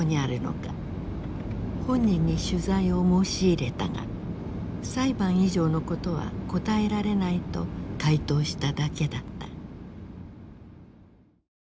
本人に取材を申し入れたが「裁判以上のことは答えられない」と回答しただけだった。